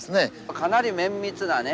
かなり綿密なね